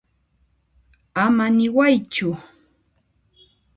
Ama niwaychu.